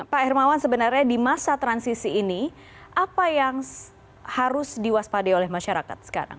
pak hermawan sebenarnya di masa transisi ini apa yang harus diwaspade oleh masyarakat sekarang